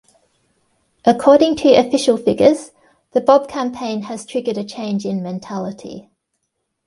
According to official figures, the Bob campaign has triggered a change in mentality.